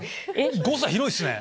誤差広いっすね！